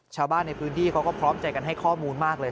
ชาวบ้านในพื้นที่เขาก็พร้อมใจกันให้ข้อมูลมากเลย